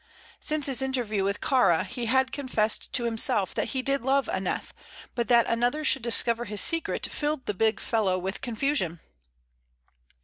Since his interview with Kāra he had confessed to himself that he did love Aneth; but that another should discover his secret filled the big fellow with confusion.